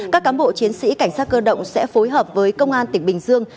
các cán bộ chiến sĩ cảnh sát cơ động sẽ phối hợp với công an tỉnh bình dương